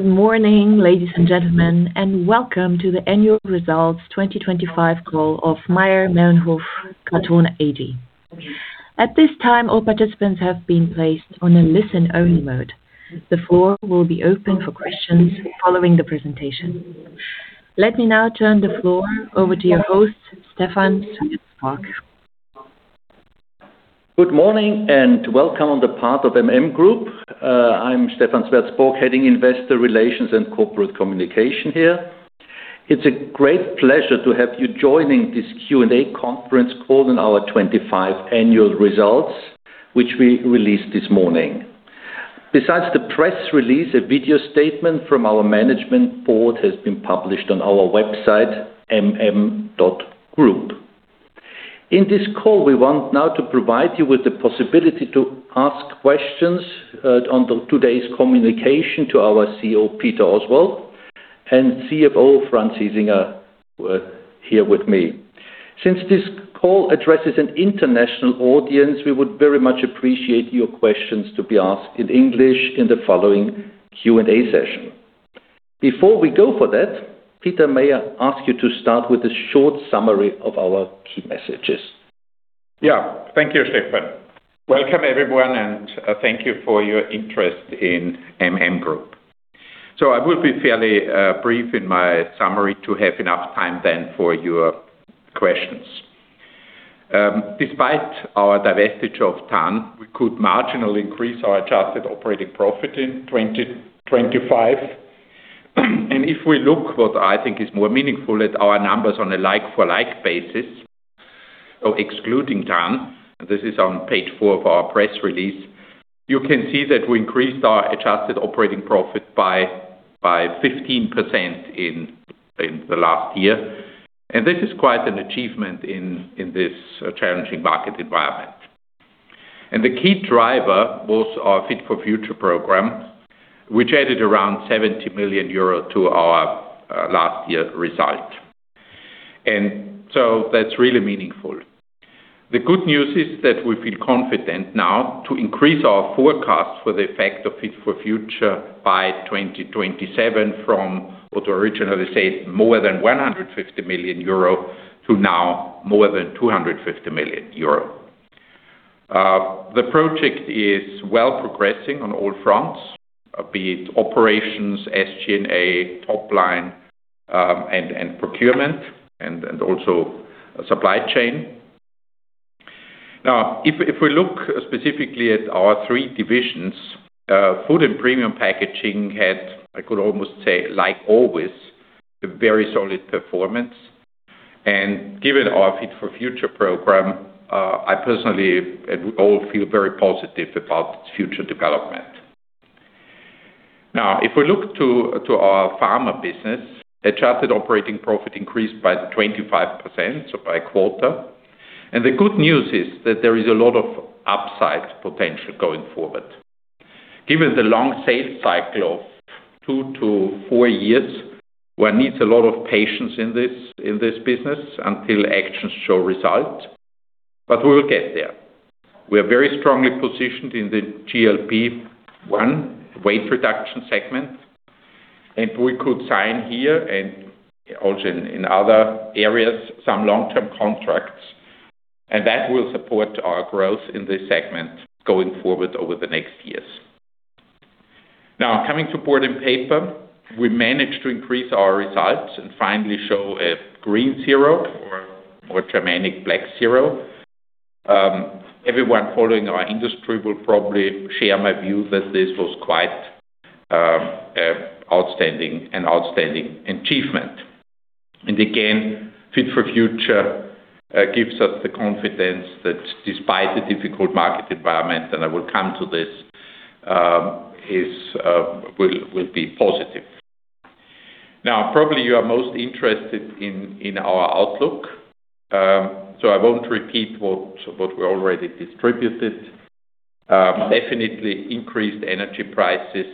Good morning, ladies and gentlemen, and welcome to the annual results 2025 call of Mayr-Melnhof Karton AG. At this time, all participants have been placed on a listen-only mode. The floor will be open for questions following the presentation. Let me now turn the floor over to your host, Stephan Sweerts-Sporck. Good morning and welcome on the part of MM Group. I'm Stephan Sweerts-Sporck, heading Investor Relations and Corporate Communication here. It's a great pleasure to have you joining this Q&A conference call on our 25 annual results, which we released this morning. Besides the press release, a video statement from our management board has been published on our website, mm.group. In this call, we want now to provide you with the possibility to ask questions on today's communication to our CEO, Peter Oswald, and CFO, Franz Hiesinger, here with me. Since this call addresses an international audience, we would very much appreciate your questions to be asked in English in the following Q&A session. Before we go for that, Peter, may I ask you to start with a short summary of our key messages? Yeah. Thank you, Stephan. Welcome, everyone, and thank you for your interest in MM Group. I will be fairly brief in my summary to have enough time then for your questions. Despite our divestiture of Tann, we could marginally increase our adjusted operating profit in 2025. If we look what I think is more meaningful at our numbers on a like for like basis, so excluding Tann, and this is on page four of our press release, you can see that we increased our adjusted operating profit by fifteen percent in the last year. This is quite an achievement in this challenging market environment. The key driver was our Fit for Future program, which added around 70 million euro to our last year result. That's really meaningful. The good news is that we feel confident now to increase our forecast for the effect of Fit for Future by 2027 from what we originally said, more than 150 million euro to now more than 250 million euro. The project is well progressing on all fronts, be it operations, SG&A, top line, and procurement, and also supply chain. Now, if we look specifically at our three divisions, Food and Premium Packaging had, I could almost say, like always, a very solid performance. Given our Fit for Future program, I personally and we all feel very positive about its future development. Now, if we look to our pharma business, adjusted operating profit increased by 25%, so by a quarter. The good news is that there is a lot of upside potential going forward. Given the long sales cycle of 2-4 years, one needs a lot of patience in this business until actions show results, but we will get there. We are very strongly positioned in the GLP-1 weight reduction segment, and we could sign here and also in other areas, some long-term contracts, and that will support our growth in this segment going forward over the next years. Now, coming to board and paper, we managed to increase our results and finally show a green zero or Germanic black zero. Everyone following our industry will probably share my view that this was quite an outstanding achievement. Again, Fit for Future gives us the confidence that despite the difficult market environment, and I will come to this, will be positive. Now, probably you are most interested in our outlook, so I won't repeat what we already distributed. Definitely increased energy prices,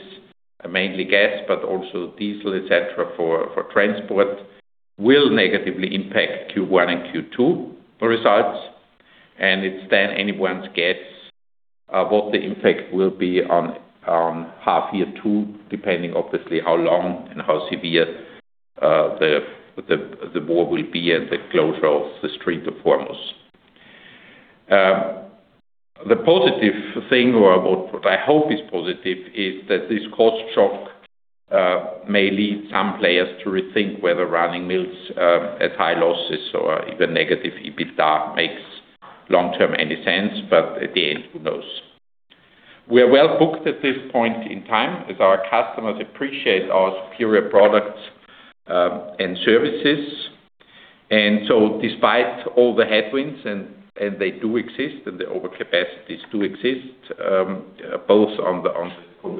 mainly gas, but also diesel, et cetera, for transport, will negatively impact Q1 and Q2 results. It's then anyone's guess what the impact will be on half year two, depending obviously how long and how severe the war will be and the closure of the Strait of Hormuz. The positive thing or what I hope is positive is that this cost shock may lead some players to rethink whether running mills at high losses or even negative EBITDA makes long-term any sense. At the end, who knows? We are well-booked at this point in time as our customers appreciate our superior products and services. Despite all the headwinds, and they do exist, and the overcapacities do exist, both on the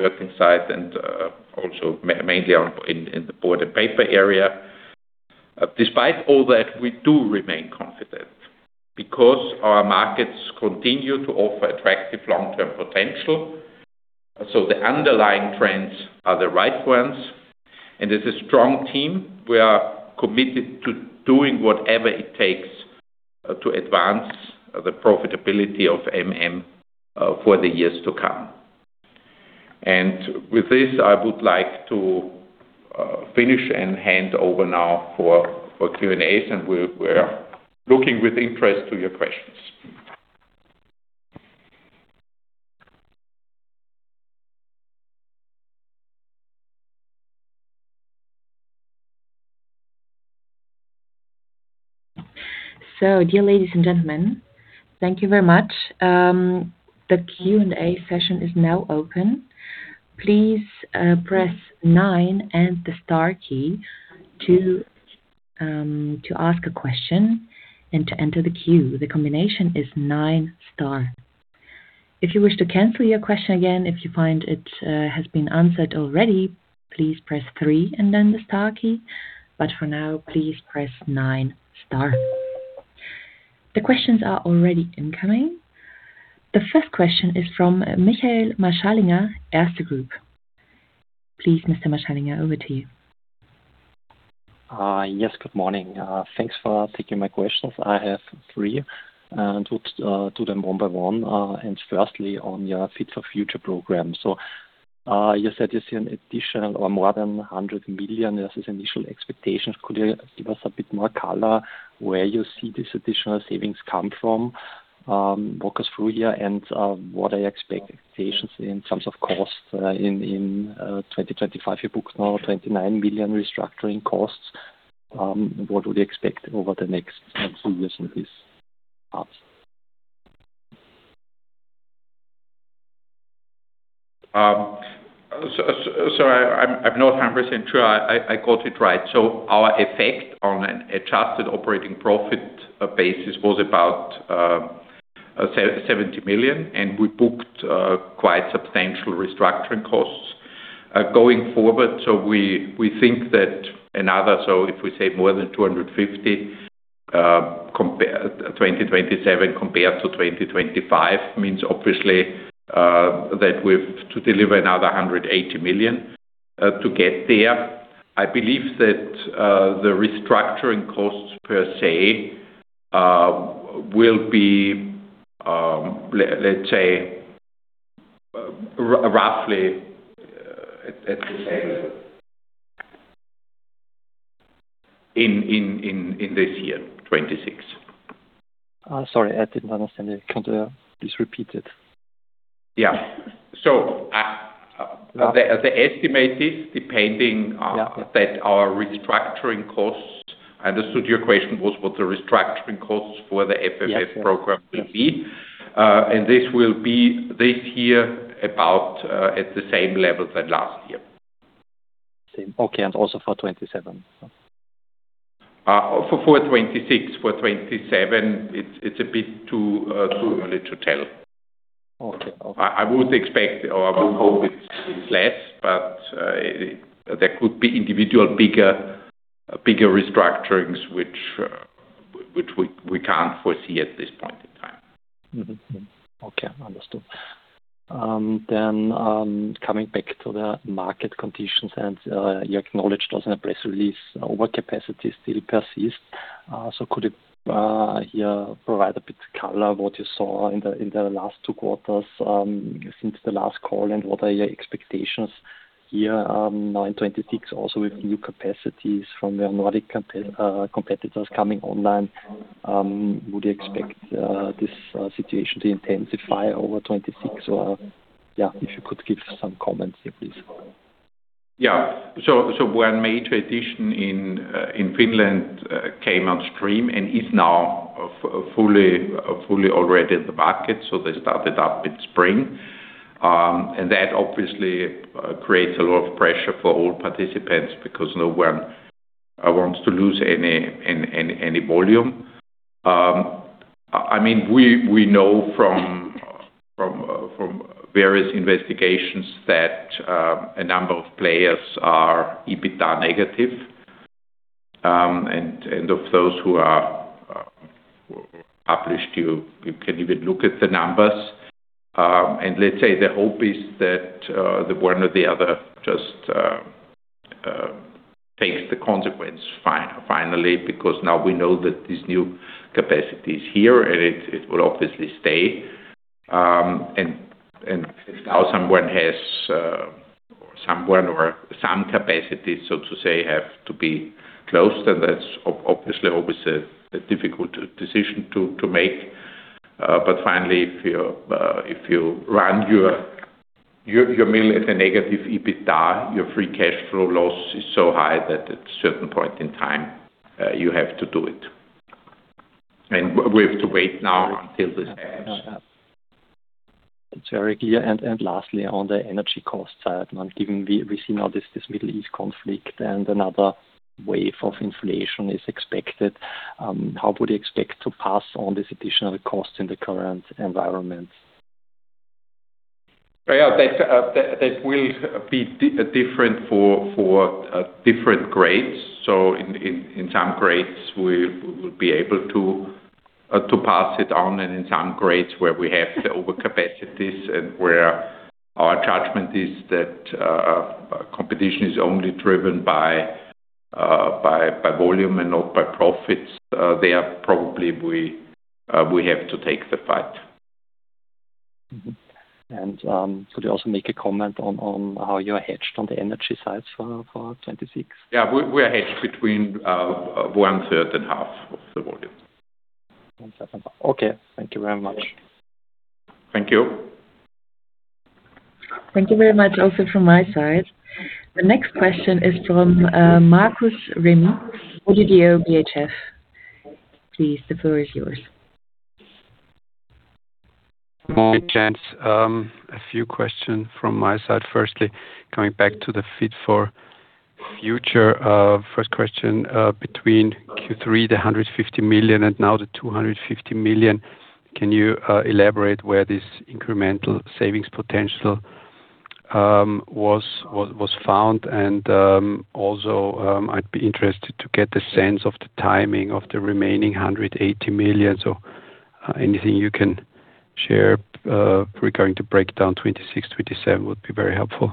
packaging side and also mainly in the Board & Paper area. Despite all that, we do remain confident because our markets continue to offer attractive long-term potential. The underlying trends are the right ones. As a strong team, we are committed to doing whatever it takes to advance the profitability of MM for the years to come. With this, I would like to finish and hand over now for Q&A, and we're looking with interest to your questions. Dear ladies and gentlemen, thank you very much. The Q&A session is now open. Please press nine and the star key to ask a question and to enter the queue. The combination is nine star. If you wish to cancel your question again, if you find it has been answered already, please press three and then the star key. But for now, please press nine star. The questions are already incoming. The first question is from Michael Marschallinger, Erste Group. Please, Mr. Marschallinger, over to you. Yes, good morning. Thanks for taking my questions. I have three and would do them one by one. Firstly on your Fit for Future program. You said you see an additional or more than 100 million versus initial expectations. Could you give us a bit more color where you see these additional savings come from? Walk us through here and what are your expectations in terms of costs in 2025? You booked now 29 million restructuring costs. What would you expect over the next two years in this part? I'm not 100% sure I got it right. Our effect on an adjusted operating profit basis was about 70 million, and we booked quite substantial restructuring costs. Going forward, we think that if we save more than 250 million, 2027 compared to 2025 means obviously that we've to deliver another 180 million to get there. I believe that the restructuring costs per se will be, let's say, roughly at the same level in this year, 2026. Sorry, I didn't understand. Could you please repeat it? The estimate is dependent on our restructuring costs. I understood your question was what the restructuring costs for the FFF program will be. Yes. This will be this year about at the same level than last year. Same. Okay. And also for 2027? For 2026. For 2027, it's a bit too early to tell. Okay. Okay. I would expect or I would hope it's less, but there could be individual bigger restructurings which we can't foresee at this point in time. Mm-hmm. Okay. Understood. Coming back to the market conditions, you acknowledged also in the press release overcapacity still persists. Could you here provide a bit of color on what you saw in the last two quarters since the last call? What are your expectations here now in 2026 also with new capacities from your Nordic competitors coming online? Would you expect this situation to intensify over 2026? If you could give some comments here, please. One major addition in Finland came on stream and is now fully already in the market, so they started up in spring. That obviously creates a lot of pressure for all participants because no one wants to lose any volume. I mean, we know from various investigations that a number of players are EBITDA negative. Of those who are published, you can even look at the numbers. Let's say the hope is that the one or the other just takes the consequence finally, because now we know that this new capacity is here and it will obviously stay. Now someone has to or some capacity, so to say, have to be closed. That's obviously always a difficult decision to make. Finally, if you run your mill at a negative EBITDA, your free cash flow loss is so high that at certain point in time, you have to do it. We have to wait now until this happens. Yeah. It's very clear. Lastly, on the energy cost side. Now, given we see now this Middle East conflict and another wave of inflation is expected, how would you expect to pass on this additional cost in the current environment? Yeah. That will be different for different grades. In some grades, we would be able to pass it on. In some grades where we have the overcapacities and where our judgment is that competition is only driven by volume and not by profits. There probably we have to take the fight. Could you also make a comment on how you are hedged on the energy side for 2026? Yeah. We are hedged between one-third and half of the volume. 1/3 and 1/2. Okay. Thank you very much. Thank you. Thank you very much also from my side. The next question is from Markus Remis, Oddo BHF. Please, the floor is yours. Hey, gents. A few questions from my side. Firstly, coming back to the Fit for Future. First question, between Q3, the 150 million and now the 250 million, can you elaborate where this incremental savings potential was found? Also, I'd be interested to get the sense of the timing of the remaining 180 million. Anything you can share regarding the breakdown 2026, 2027 would be very helpful.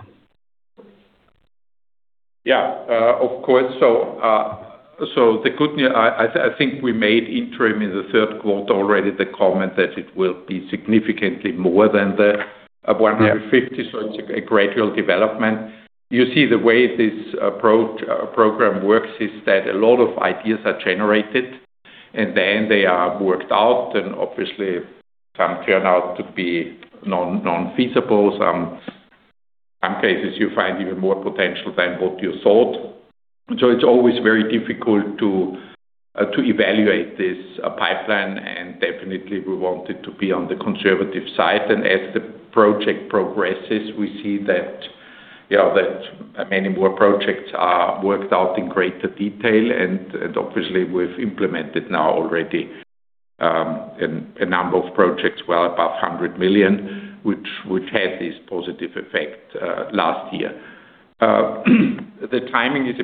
Yeah. Of course. I think we made interim in the third quarter already the comment that it will be significantly more than the 150. Yeah. It's a gradual development. You see the way this approach, program works is that a lot of ideas are generated and then they are worked out, and obviously some turn out to be non-feasible. Some cases you find even more potential than what you thought. It's always very difficult to evaluate this pipeline, and definitely we want it to be on the conservative side. As the project progresses, we see that, you know, that many more projects are worked out in greater detail. And obviously we've implemented now already a number of projects well above 100 million, which had this positive effect last year. The timing is a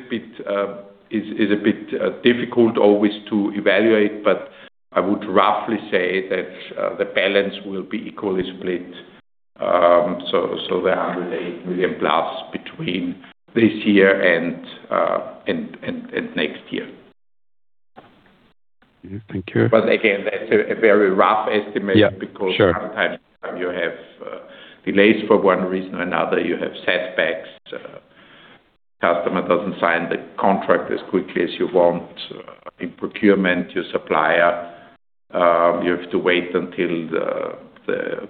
bit difficult always to evaluate, but I would roughly say that the balance will be equally split. 180 million plus between this year and next year. Yeah. Thank you. Again, that's a very rough estimate. Yeah, sure. Because sometimes you have delays for one reason or another. You have setbacks. Customer doesn't sign the contract as quickly as you want. In procurement, your supplier, you have to wait until the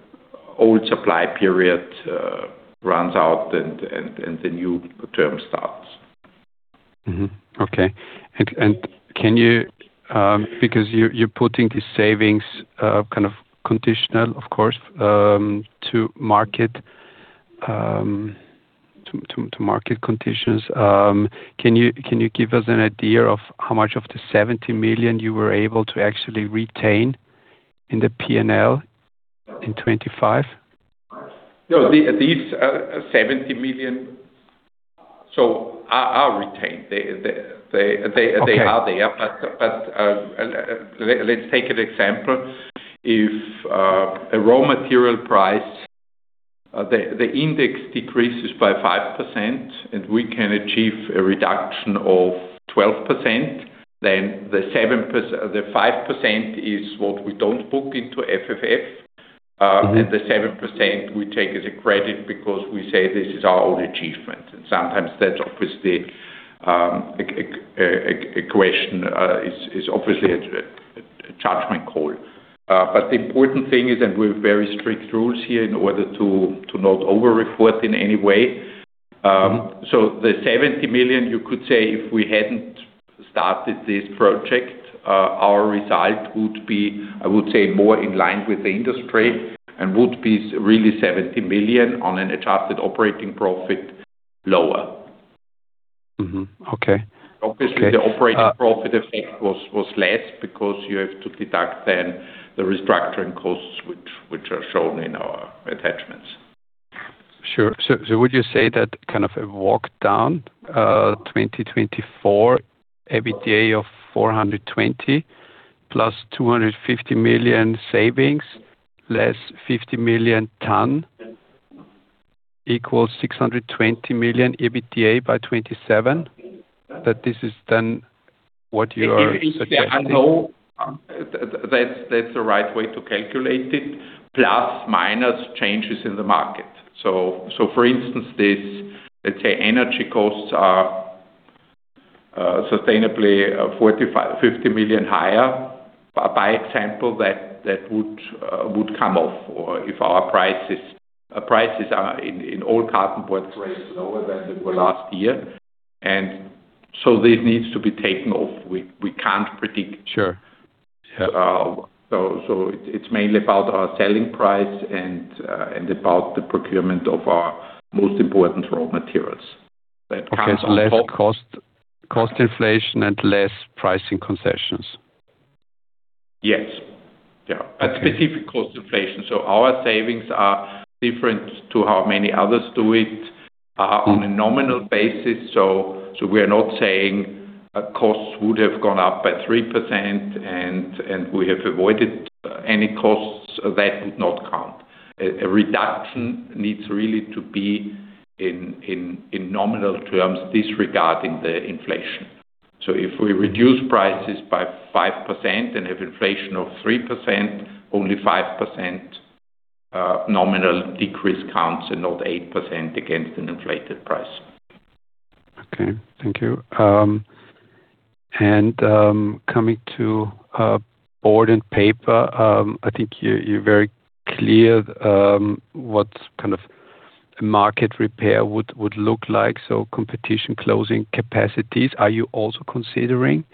old supply period runs out and the new term starts. Okay. Because you're putting the savings kind of conditional, of course, to market conditions, can you give us an idea of how much of the 70 million you were able to actually retain in the P&L in 2025? No. These 70 million so are retained. They are there. Okay. Let's take an example. If a raw material price index decreases by 5% and we can achieve a reduction of 12%, then the 5% is what we don't book into FFF. 7% we take as a credit because we say this is our own achievement. Sometimes that's obviously equation is obviously a judgment call. The important thing is that we have very strict rules here in order to not over-report in any way. The 70 million, you could say if we hadn't started this project, our result would be, I would say, more in line with the industry and would be severely 70 million lower on an adjusted operating profit. Okay. Obviously- Okay. The operating profit effect was less because you have to deduct then the restructuring costs, which are shown in our attachments. Sure. Would you say that kind of a walk down, 2024 EBITDA of 420 million plus 250 million savings less 50 million then equals 620 million EBITDA by 2027? That this is then what you are suggesting. I know that's the right way to calculate it, plus minus changes in the market. For instance, let's say energy costs are sustainably 45-50 million higher. For example, that would come off. Or if our prices are in all cartonboard sorts way lower than they were last year. This needs to be taken off. We can't predict. Sure. It's mainly about our selling price and about the procurement of our most important raw materials that comes on top. Okay. Less cost inflation, and less pricing concessions. Yes. Yeah. Okay. A specific cost inflation. Our savings are different to how many others do it on a nominal basis. We are not saying costs would have gone up by 3% and we have avoided any costs that would not count. A reduction needs really to be in nominal terms disregarding the inflation. If we reduce prices by 5% and have inflation of 3%, only 5% nominal decrease counts and not 8% against an inflated price. Okay. Thank you. Coming to Board & Paper, I think you're very clear what kind of market repair would look like. Competition closing capacities. Are you also considering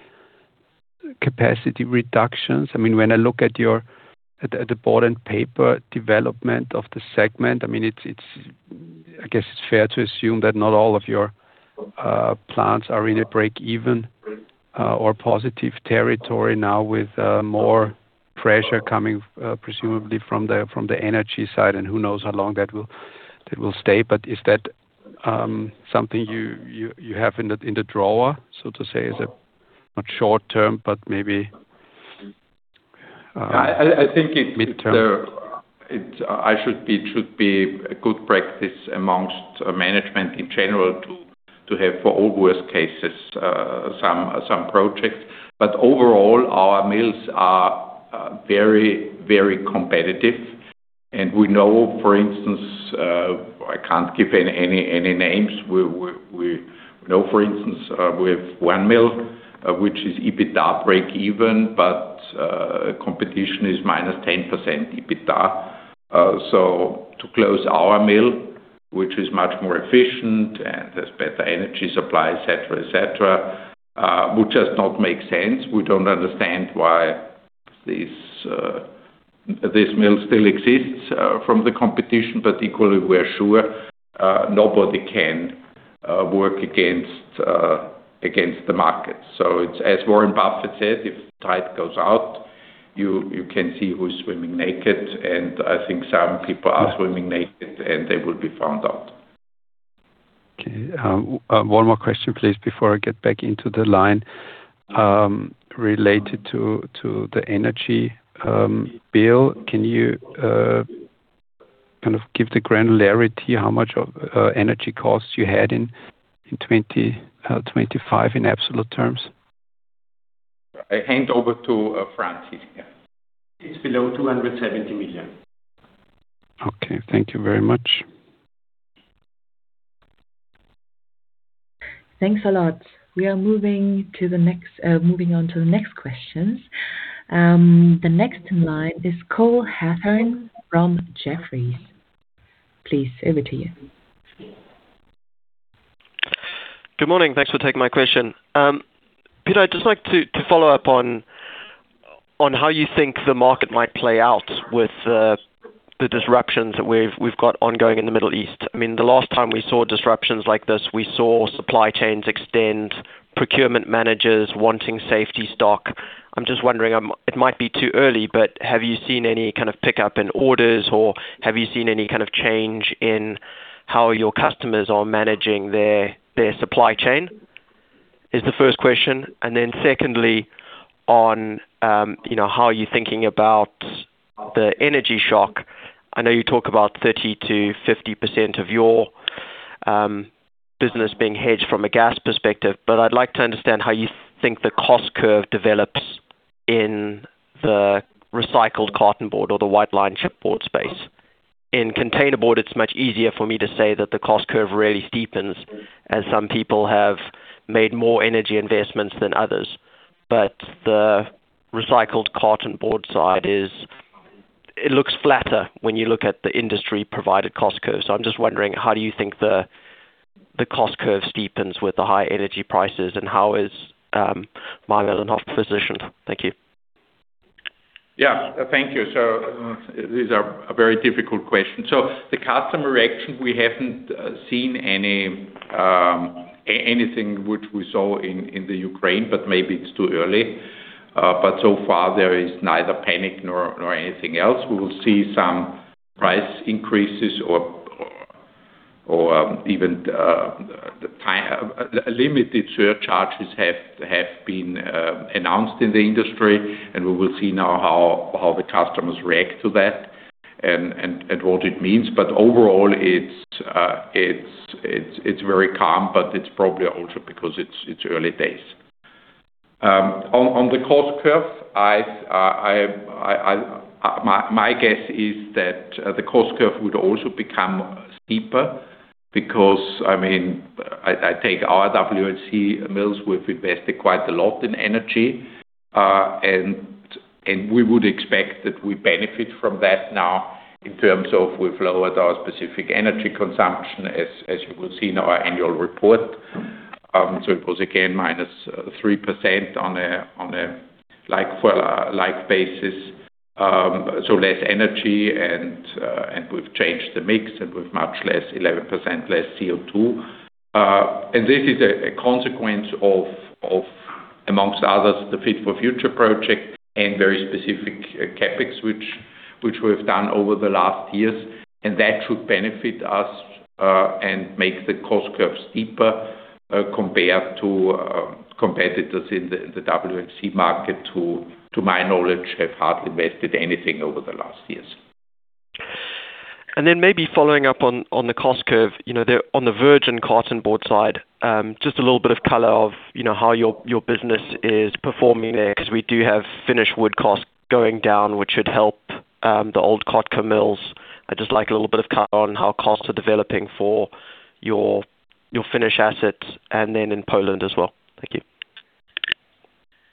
capacity reductions? I mean, when I look at the Board & Paper development of the segment, I mean, it's I guess it's fair to assume that not all of your plants are really breakeven or positive territory now with more pressure coming, presumably from the energy side, and who knows how long that will stay. Is that something you have in the drawer, so to say? Is it not short-term, maybe I think it. Mid-term It should be a good practice among management in general to have for all worst cases some projects. Overall, our mills are very competitive. We know, for instance, I can't give any names. We know, for instance, with one mill, which is EBITDA breakeven, but competition is minus 10% EBITDA. To close our mill, which is much more efficient and has better energy supply, et cetera, would just not make sense. We don't understand why this mill still exists from the competition. Equally, we're sure nobody can work against the market. It's as Warren Buffett said, "If tide goes out, you can see who's swimming naked." I think some people are swimming naked, and they will be found out. Okay. One more question, please, before I get back into the line. Related to the energy bill, can you kind of give the granularity, how much of energy costs you had in 2025 in absolute terms? I hand over to Franz Hiesinger, yeah. It's below 270 million. Okay. Thank you very much. Thanks a lot. We are moving on to the next questions. The next in line is Cole Hathorn from Jefferies. Please, over to you. Good morning. Thanks for taking my question. Peter, I'd just like to follow up on how you think the market might play out with the disruptions that we've got ongoing in the Middle East. I mean, the last time we saw disruptions like this, we saw supply chains extend, procurement managers wanting safety stock. I'm just wondering, it might be too early, but have you seen any kind of pickup in orders, or have you seen any kind of change in how your customers are managing their supply chain? That's the first question. Then secondly, on, you know, how are you thinking about the energy shock. I know you talk about 30-50% of your business being hedged from a gas perspective, but I'd like to understand how you think the cost curve develops in the recycled cartonboard or the white-lined chipboard space. In containerboard, it's much easier for me to say that the cost curve really steepens as some people have made more energy investments than others. The recycled cartonboard side is, it looks flatter when you look at the industry-provided cost curve. I'm just wondering, how do you think the cost curve steepens with the high energy prices, and how is Mayr-Melnhof positioned? Thank you. Yeah. Thank you. These are a very difficult question. The customer action, we haven't seen anything which we saw in the Ukraine, but maybe it's too early. So far there is neither panic nor anything else. We will see some price increases or even the limited surcharges have been announced in the industry, and we will see now how the customers react to that and what it means. Overall, it's very calm, but it's probably also because it's early days. On the cost curve, I My guess is that the cost curve would also become steeper because, I mean, I take our WLC mills. We've invested quite a lot in energy, and we would expect that we benefit from that now in terms of we've lowered our specific energy consumption as you will see in our annual report. So it was again minus 3% on a like-for-like basis. So less energy and we've changed the mix, and with much less, 11% less CO2. And this is a consequence of, amongst others, the Fit for Future project and very specific CapEx, which we have done over the last years. That should benefit us and make the cost curves deeper compared to competitors in the WLC market who, to my knowledge, have hardly invested anything over the last years. Maybe following up on the cost curve, you know, on the virgin cartonboard side, just a little bit of color on how your business is performing there 'cause we do have Finnish wood costs going down, which should help the old Kotka mills. I'd just like a little bit of color on how costs are developing for your Finnish assets and then in Poland as well. Thank you.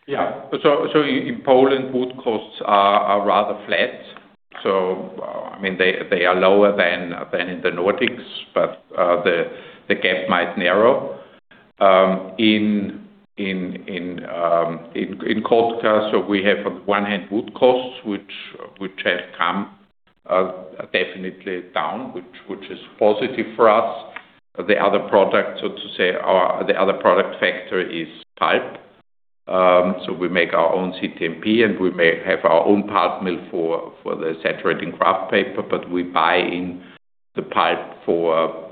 In Poland, wood costs are rather flat. I mean, they are lower than in the Nordics, but the gap might narrow. In Količevo, we have, on one hand, wood costs, which have come definitely down, which is positive for us. The other product, so to say, or the other product factor is pulp. We make our own CTMP, and we may have our own pulp mill for the saturating kraft paper, but we buy in the pulp for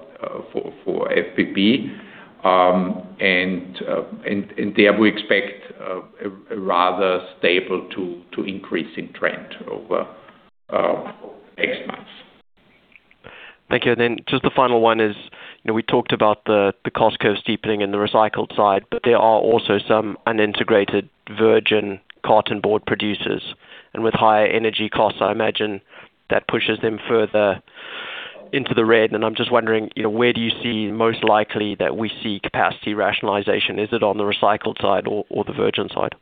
FBB. There we expect a rather stable to increasing trend over next months. Thank you. Then just the final one is, you know, we talked about the cost curve steepening in the recycled side, but there are also some unintegrated virgin cartonboard producers. With higher energy costs, I imagine that pushes them further into the red. I'm just wondering, you know, where do you see most likely that we see capacity rationalization? Is it on the recycled side or the virgin side?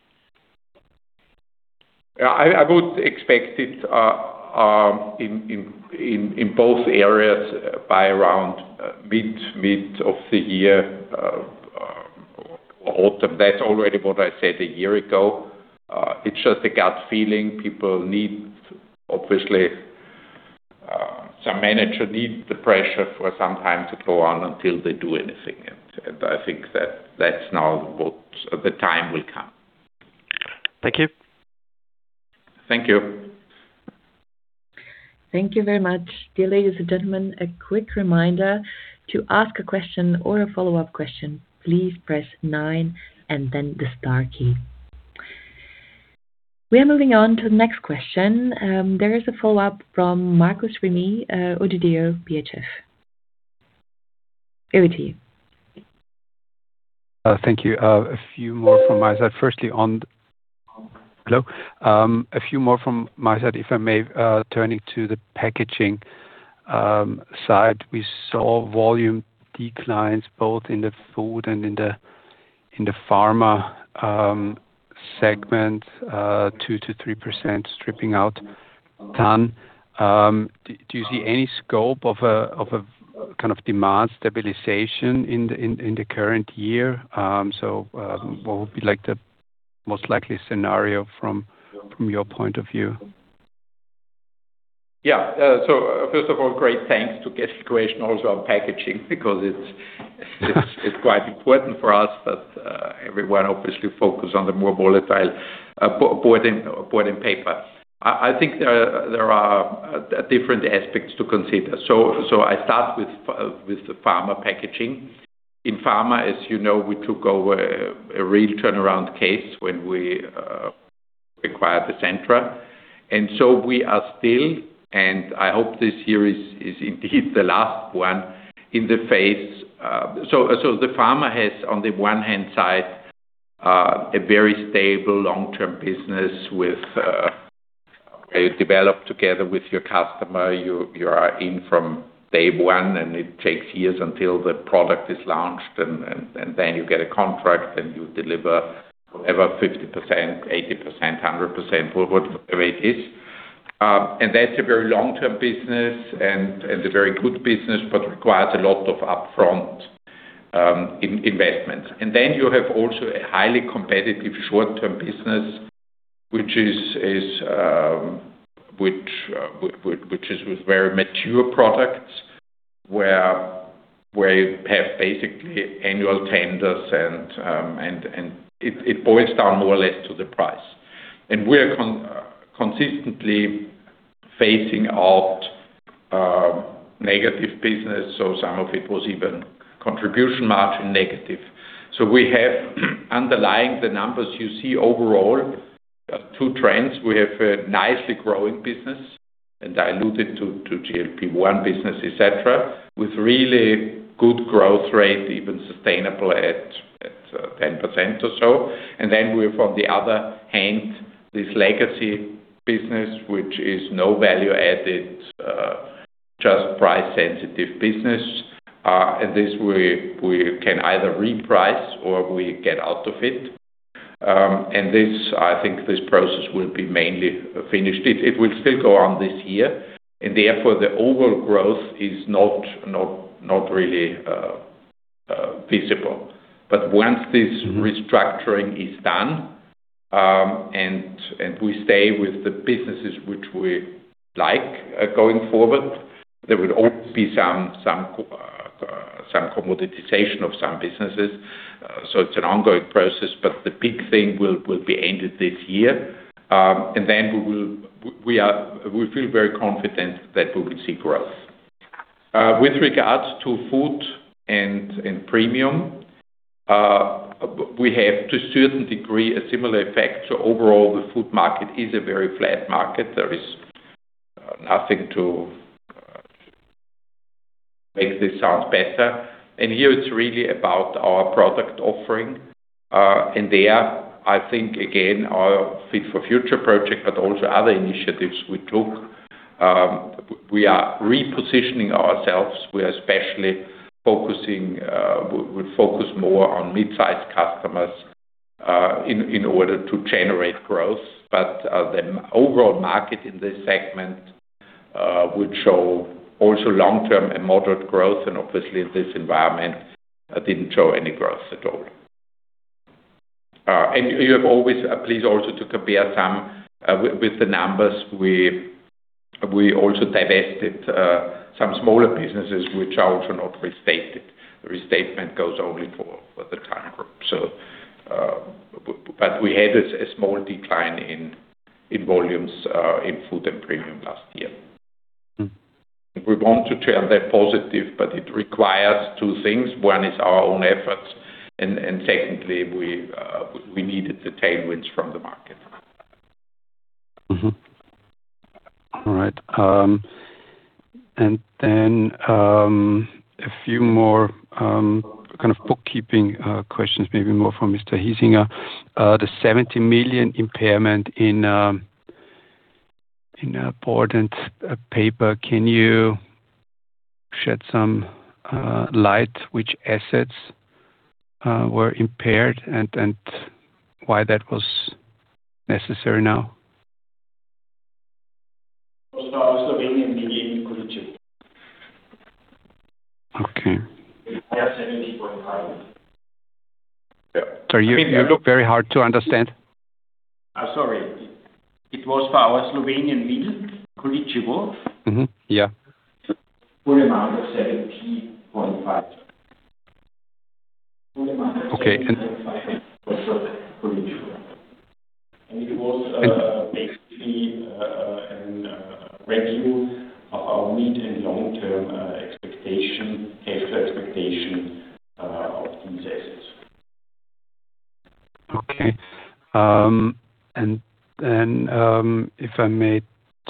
Yeah. I would expect it in both areas by around mid of the year or autumn. That's already what I said a year ago. It's just a gut feeling. People need, obviously, some managers need the pressure for some time to go on until they do anything. I think that's now what. The time will come. Thank you. Thank you. Thank you very much. Dear ladies and gentlemen, a quick reminder. To ask a question or a follow-up question, please press nine and then the star key. We are moving on to the next question. There is a follow-up from Markus Remis, ODDO BHF. Over to you. Thank you. A few more from my side, if I may, turning to the packaging side. We saw volume declines both in the food and in the pharma segment, 2-3% stripping out Tann. Do you see any scope of a kind of demand stabilization in the current year? What would be like the most likely scenario from your point of view? First of all, great thanks to get a question also on packaging because it's quite important for us, but everyone obviously focus on the more volatile Board & Paper. I think there are different aspects to consider. I start with the pharma packaging. In pharma, as you know, we took over a real turnaround case when we acquired Essentra. We are still, and I hope this year is indeed the last one, in the phase. The pharma has, on the one hand side, a very stable long-term business with developed together with our customer. You are in from day one, and it takes years until the product is launched, and then you get a contract and you deliver whatever 50%, 80%, 100%, or whatever it is. That's a very long-term business and a very good business, but requires a lot of upfront investment. You have also a highly competitive short-term business, which is with very mature products, where you have basically annual tenders, and it boils down more or less to the price. We are consistently phasing out negative business, so some of it was even contribution margin negative. We have, underlying the numbers you see overall, two trends. We have a nicely growing business, and I alluded to GLP-1 business, et cetera, with really good growth rate, even sustainable at 10% or so. Then we have, on the other hand, this legacy business, which is no value added, just price-sensitive business. This we can either reprice or we get out of it. This, I think, this process will be mainly finished. It will still go on this year, and therefore the overall growth is not really visible. Once this restructuring is done, we stay with the businesses which we like, going forward. There will always be some commoditization of some businesses. It's an ongoing process, but the big thing will be ended this year. We feel very confident that we will see growth. With regards to food and premium, we have to a certain degree a similar effect. Overall, the food market is a very flat market. There is nothing to make this sound better. Here it's really about our product offering. There, I think again, our Fit for Future project, but also other initiatives we took. We are repositioning ourselves. We are especially focusing, we focus more on mid-sized customers, in order to generate growth. The overall market in this segment would show also long-term and moderate growth, and obviously this environment didn't show any growth at all. You have always please also to compare some with the numbers we also divested some smaller businesses which are also not restated. Restatement goes only for the Tann Group. We had a small decline in volumes in Food & Premium last year. We want to turn that positive, but it requires two things. One is our own efforts, and secondly, we needed the tailwinds from the market. All right. A few more kind of bookkeeping questions, maybe more from Mr. Hiesinger. The 70 million impairment in Board & Paper. Can you shed some light on which assets were impaired and why that was necessary now? It was for our Slovenian mill, Količevo. Okay. We had 70.5. Sir, you look very hard to understand. Sorry. It was for our Slovenian mill, Količevo. Mm-hmm. Yeah. Full amount of EUR 70.5. Okay. It was basically review of our mid- and long-term cash flow expectation of these assets. If I may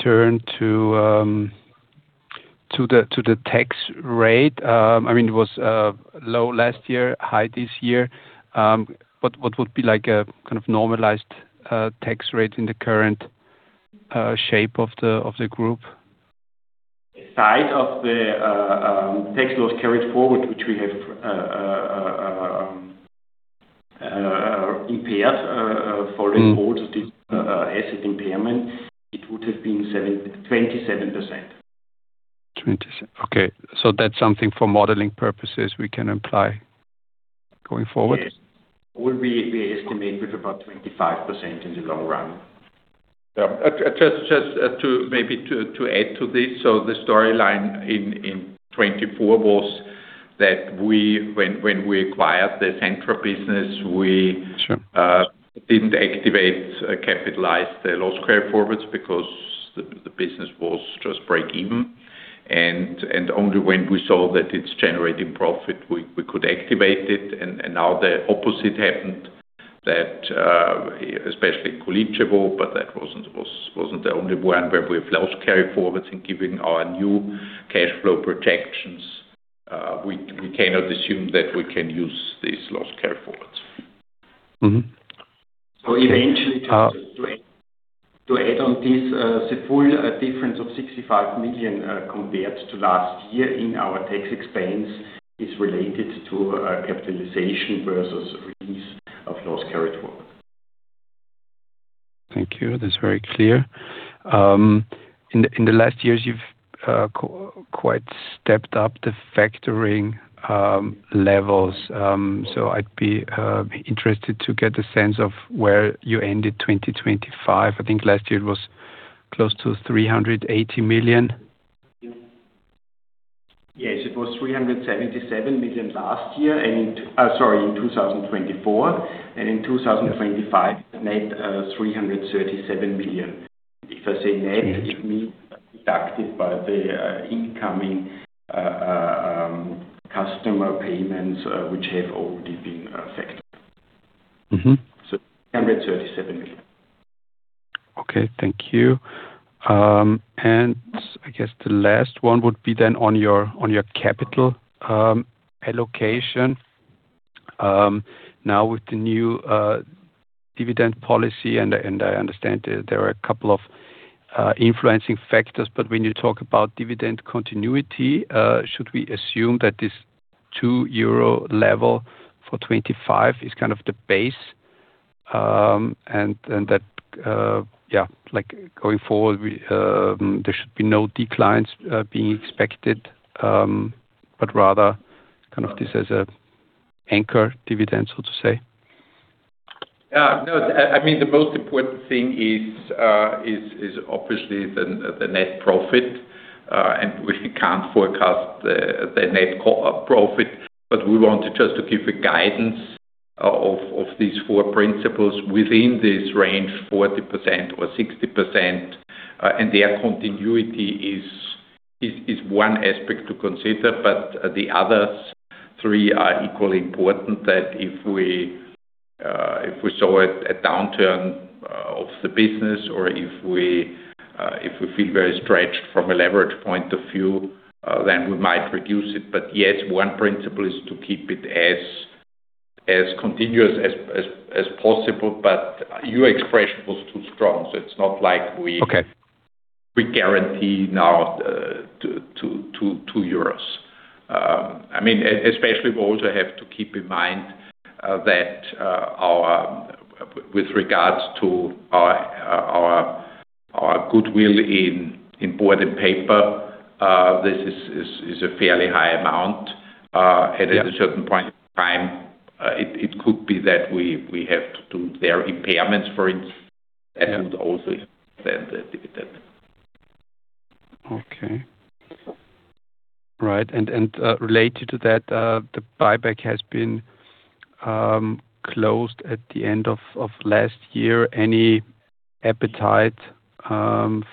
turn to the tax rate. I mean, it was low last year, high this year. What would be like a kind of normalized tax rate in the current shape of the group? Tax loss carried forward, which we have impaired following- Burden of this asset impairment, it would have been 7-27%. 27. Okay. That's something for modeling purposes we can apply going forward. Yes. We estimate with about 25% in the long run. Yeah. Just maybe to add to this. The storyline in 2024 was that when we acquired the Essentra business, we- Sure. Didn't activate, capitalize the loss carryforwards because the business was just breakeven. Only when we saw that it's generating profit, we could activate it. Now the opposite happened that especially Količevo, but that wasn't the only one where we have loss carryforwards. In keeping our new cash flow projections, we cannot assume that we can use these loss carryforwards. Okay. Eventually to add on this, the full difference of 65 million compared to last year in our tax expense is related to capitalization versus release of loss carryforward. Thank you. That's very clear. In the last years you've quite stepped up the factoring levels. I'd be interested to get a sense of where you ended 2025. I think last year it was close to 380 million. Yes, it was 377 million last year and, sorry, in 2024. In 2025, net 337 million. If I say net, it means deducted by the incoming customer payments, which have already been factored. 337 million. Okay. Thank you. I guess the last one would be then on your capital allocation. Now with the new dividend policy, and I understand there are a couple of influencing factors. When you talk about dividend continuity, should we assume that this 2 euro level for 2025 is kind of the base, and that, yeah, like going forward, we there should be no declines being expected, but rather kind of this as an anchor dividend, so to say. No. I mean, the most important thing is obviously the net profit. We can't forecast the net profit, but we want to just give a guidance of these four principles within this range, 40% or 60%. Their continuity is one aspect to consider. The other three are equally important, that if we saw a downturn of the business or if we feel very stretched from a leverage point of view, then we might reduce it. Yes, one principle is to keep it as continuous as possible. Your expression was too strong, so it's not like we. Okay. We guarantee now 2 euros. I mean, especially we also have to keep in mind that with regards to our goodwill in Board & Paper, this is a fairly high amount. Yeah. At a certain point in time, it could be that we have to do their impairments, for instance. Yeah. That would also extend the dividend. Okay. Right. Related to that, the buyback has been closed at the end of last year. Any appetite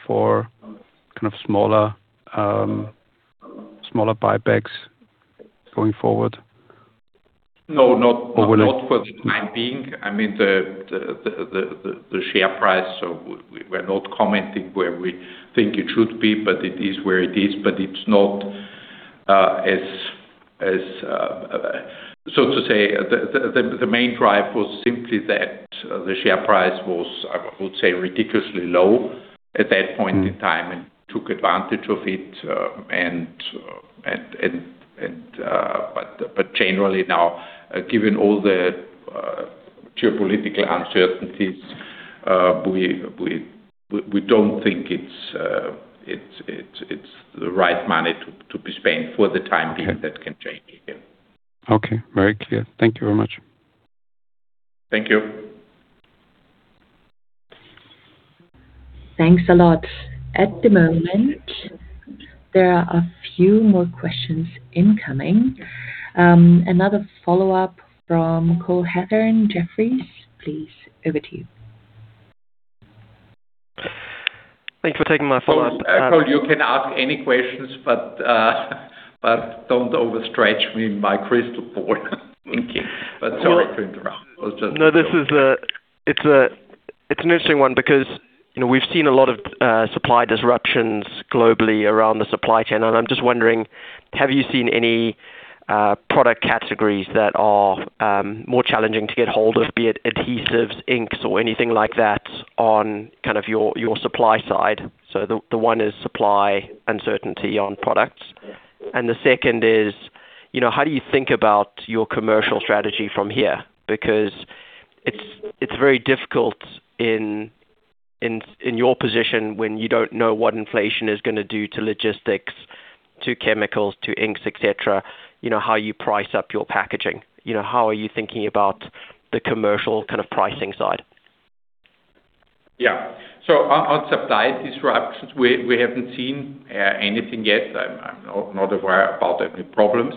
for kind of smaller buybacks going forward? No, not. Will it? Not for the time being. I mean, the share price. We're not commenting where we think it should be, but it is where it is. It's not as so to say the main drive was simply that the share price was, I would say, ridiculously low at that point in time. took advantage of it. Generally now, given all the geopolitical uncertainties, we don't think it's the right money to be spent for the time being. Okay. That can change again. Okay. Very clear. Thank you very much. Thank you. Thanks a lot. At the moment, there are a few more questions incoming. Another follow-up from Cole Hathorn in Jefferies. Please, over to you. Thanks for taking my follow-up. Cole, you can ask any questions, but don't overstretch me in my crystal ball. Okay. Sorry to interrupt. I was just joking. It's an interesting one because, you know, we've seen a lot of supply disruptions globally around the supply chain. I'm just wondering, have you seen any product categories that are more challenging to get hold of, be it adhesives, inks or anything like that on kind of your supply side? The one is supply uncertainty on products. The second is, you know, how do you think about your commercial strategy from here? Because it's very difficult in your position when you don't know what inflation is gonna do to logistics, to chemicals, to inks, et cetera, you know, how you price up your packaging. You know, how are you thinking about the commercial kind of pricing side? Yeah. On supply disruptions, we haven't seen anything yet. I'm not aware about any problems.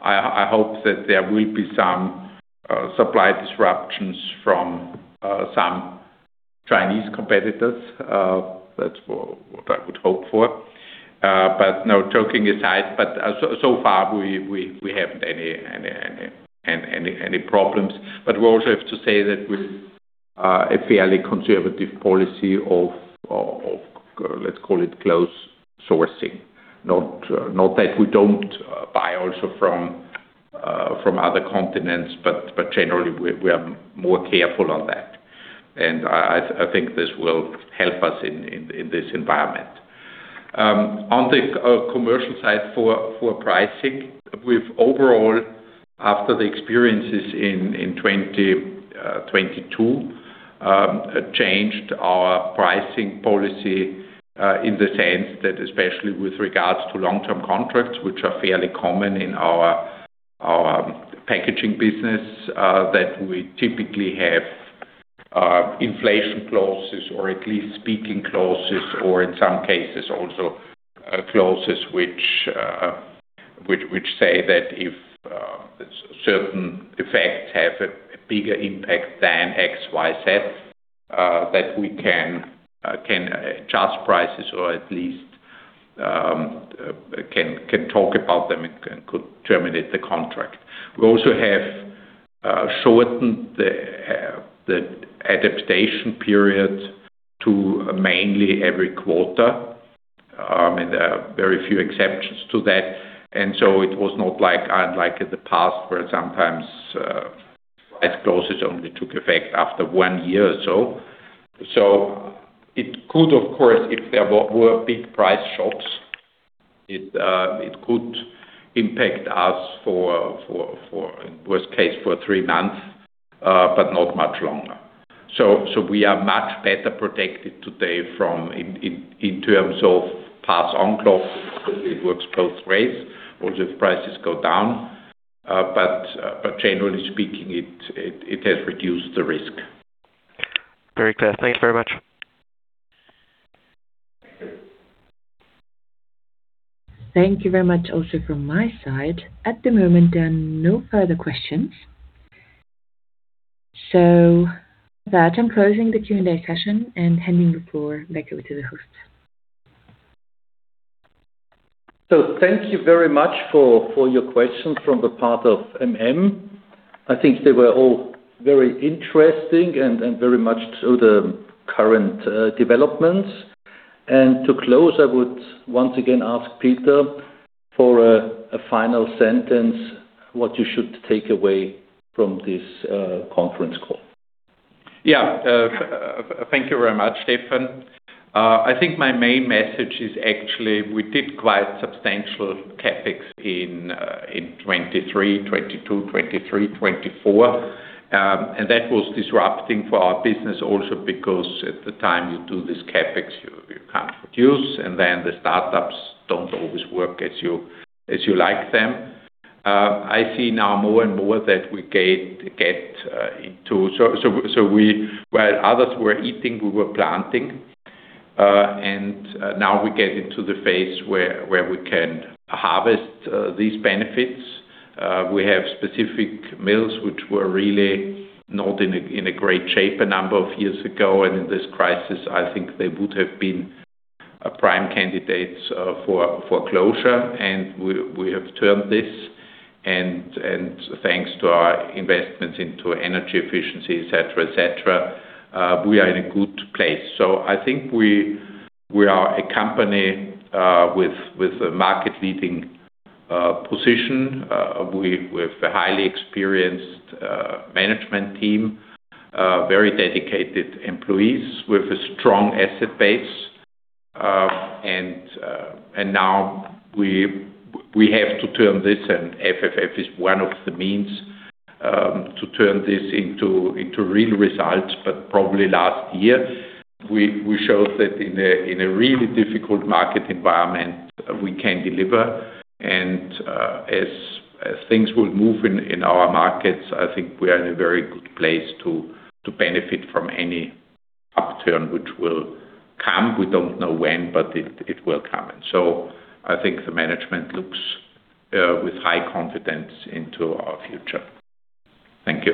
I hope that there will be some supply disruptions from some Chinese competitors. That's what I would hope for. No, joking aside, so far, we haven't any problems. We also have to say that we have a fairly conservative policy of local sourcing. Not that we don't buy also from other continents, but generally we're more careful on that. I think this will help us in this environment. On the commercial side for pricing, we've overall, after the experiences in 2022, changed our pricing policy in the sense that especially with regards to long-term contracts, which are fairly common in our packaging business, that we typically have inflation clauses or at least escalation clauses or in some cases also clauses which say that if certain effects have a bigger impact than X, Y, Z, that we can adjust prices or at least can talk about them and could terminate the contract. We also have shortened the adaptation period to mainly every quarter. Very few exceptions to that. It was unlike in the past, where sometimes such clauses only took effect after one year or so. It could, of course, if there were big price shocks, it could impact us for worst case, for three months, but not much longer. We are much better protected today from in terms of pass-on clause. It works both ways. Also if prices go down, but generally speaking, it has reduced the risk. Very clear. Thank you very much. Thank you very much also from my side. At the moment, there are no further questions. With that, I'm closing the Q&A session and handing the floor back over to the host. Thank you very much for your questions from the part of MM. I think they were all very interesting and very much to the current developments. To close, I would once again ask Peter for a final sentence, what you should take away from this conference call. Yeah. Thank you very much, Stephan. I think my main message is actually we did quite substantial CapEx in 2023, 2022, 2023, 2024. That was disrupting for our business also because at the time you do this CapEx, you can't produce, and then the startups don't always work as you like them. I see now more and more that we get into. While others were eating, we were planting. Now we get into the phase where we can harvest these benefits. We have specific mills which were really not in a great shape a number of years ago. In this crisis, I think they would have been prime candidates for closure. We have turned this and thanks to our investments into energy efficiency, et cetera, we are in a good place. I think we are a company with a market-leading position with a highly experienced management team, very dedicated employees with a strong asset base. Now we have to turn this, and FFF is one of the means to turn this into real results. Probably last year, we showed that in a really difficult market environment, we can deliver. As things will move in our markets, I think we are in a very good place to benefit from any upturn which will come. We don't know when, but it will come. I think the management looks with high confidence into our future. Thank you.